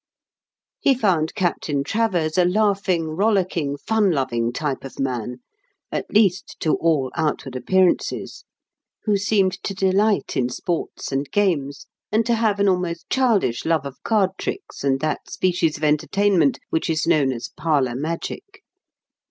He found Captain Travers a laughing, rollicking, fun loving type of man at least, to all outward appearances who seemed to delight in sports and games and to have an almost childish love of card tricks and that species of entertainment which is known as parlour magic.